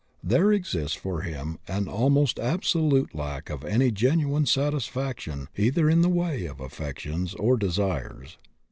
There exists for him an almost absolute lack of any genuine satisfaction either in the way of the affections or desires.